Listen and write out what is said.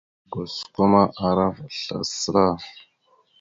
Osko ma ara vaɗ slasəla.